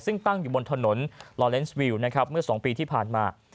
ซึ่งตั้งอยู่บนถนนลอเลนสวิวนะครับเมื่อ๒ปีที่ผ่านมา